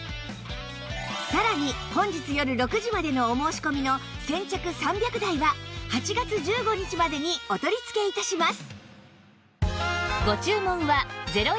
さらに本日よる６時までのお申し込みの先着３００台は８月１５日までにお取り付け致します